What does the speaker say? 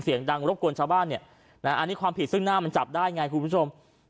เสียงดังรบกวนชาวบ้านเนี่ยนะอันนี้ความผิดซึ่งหน้ามันจับได้ไงคุณผู้ชม